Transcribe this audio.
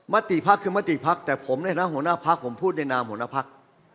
ติภักดิ์คือมติพักแต่ผมในฐานะหัวหน้าพักผมพูดในนามหัวหน้าพัก